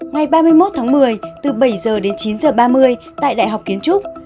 ngày ba mươi một tháng một mươi từ bảy h đến chín h ba mươi tại đại học kiến trúc